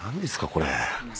これ。